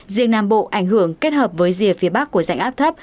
riêng nam bộ ảnh hưởng kết hợp với rìa phía bắc của rãnh áp thấp